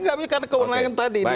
nggak bisa karena kewenangan tadi